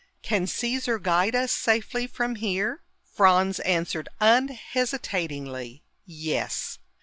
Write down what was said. Can Caesar guide us safely from here?" Franz answered unhesitatingly, "Yes."